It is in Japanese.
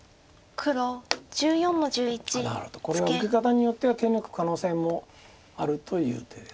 これは受け方によっては手抜く可能性もあるという手です。